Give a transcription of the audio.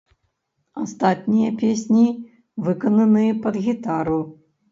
Астатнія песні выкананыя пад гітару.